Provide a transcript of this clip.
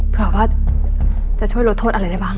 เผื่อว่าจะช่วยลดโทษอะไรได้บ้าง